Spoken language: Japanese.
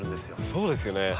そうですよね。